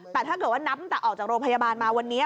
แต่ถ้าเกิดว่านับตั้งแต่ออกจากโรงพยาบาลมาวันนี้